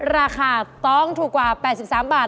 ราคาต้องถูกกว่า๘๓บาท